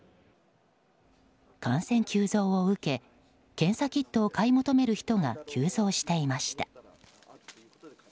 感染急増を受け検査キットを買い求める人が急増していました。